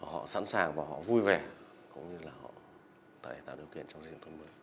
họ sẵn sàng và họ vui vẻ cũng như là họ tạo điều kiện cho xây dựng nông thôn mới